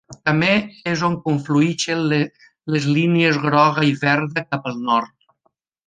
També és on conflueixen les línies groga i verda cap al nord.